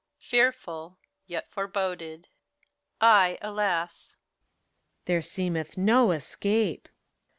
Fearful, yet foreboded! I, alas! PHORKYAS. There seemeth no escape.